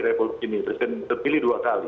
republik ini presiden terpilih dua kali